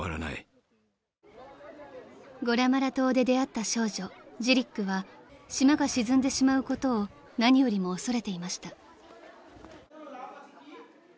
［ゴラマラ島で出会った少女ジリックは島が沈んでしまうことを何よりも恐れていました］